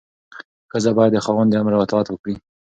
ښځه باید د خاوند د امر اطاعت وکړي.